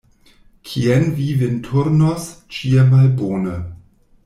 Kien vi vin turnos, ĉie malbone.